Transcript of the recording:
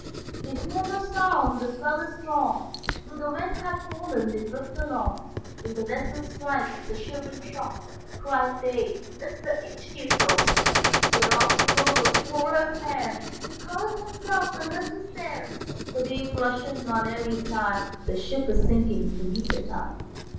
They hear no sound; the swell is strong; Though the wind hath fallen, they drift along, Till the vessel strikes with a shivering shock; Cried they: "It is the Inchcape Rock!" Sir Ralph the Rover tore his hair, He cursed himself in his despair: The waves rush in on every side; The ship is sinking beneath the tide.